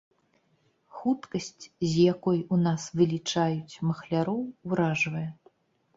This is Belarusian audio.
Хуткасць, з якой у нас вылічаюць махляроў, уражвае.